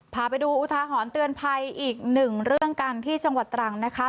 พาไปดูอุทาหรณ์เตือนภัยอีกหนึ่งเรื่องกันที่จังหวัดตรังนะคะ